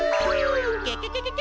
ケケケケケ！